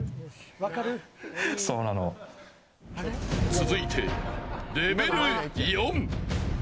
続いてレベル４。